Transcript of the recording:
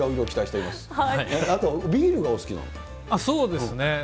そうですね。